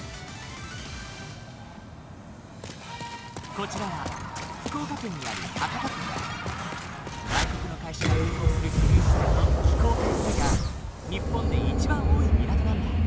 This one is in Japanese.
こちらは福岡県にある外国の会社が運航するクルーズ船の寄港回数が日本で一番多い港なんだ。